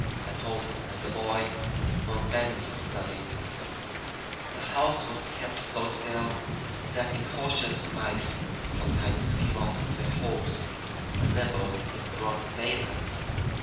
At home, as a boy, when Benny studied, the house was kept so still that incautious mice sometimes came out of their holes and nibbled in broad daylight.